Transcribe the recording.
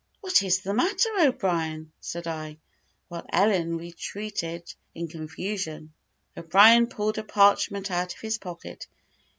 "What is the matter, O'Brien?" said I, while Ellen retreated in confusion. O'Brien pulled a parchment out of his pocket.